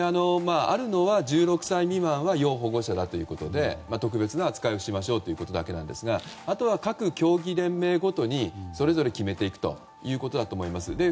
あるのは１６歳未満は要保護者ということで特別な扱いをしましょうということなんですがあとは各競技連盟ごとにそれぞれ決めていくということだと思います。